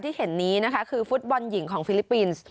ที่เห็นนี้นะคะคือฟุตบอลหญิงของฟิลิปปินส์